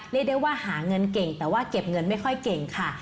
เรียกได้ว่าหาเงินเก่งแต่ว่าเก็บเงินไม่ค่อยเก่งค่ะ